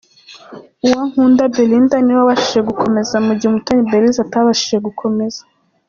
Uwankunda Belinda ni we wabashije gukomeza mu gihe Umutoni Belise atabashije gukomeza.